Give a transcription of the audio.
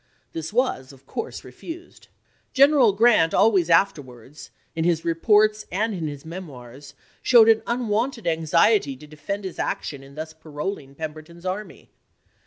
This was, of course, refused. General Grant always afterwards, in his reports and in his me moirs, showed an unwonted anxiety to defend his action in thus paroling Pemberton's army.